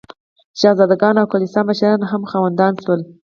شهزاده ګان او کلیسا مشران هم خاوندان شول.